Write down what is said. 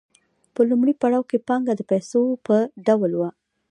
په لومړي پړاو کې پانګه د پیسو په ډول وه